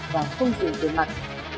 và không dùng tiền mặt